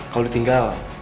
kalau dia tinggal